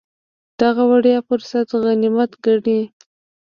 دغه وړیا فرصت غنیمت ګڼي.